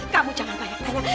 kamu jangan banyak banyak